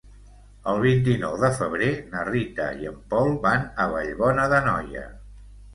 El vint-i-nou de febrer na Rita i en Pol van a Vallbona d'Anoia.